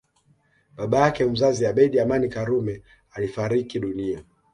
Baba yake mzazi Abeid Amani Karume alifariki dunia